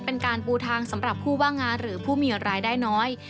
เป็นการปูทางสำหรับผู้ว่างงานหรือผู้มีรายได้น้อย